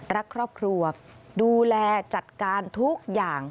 รักครอบครัวดูแลจัดการทุกอย่าง